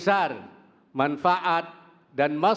dan lempar tali kita rimpah juga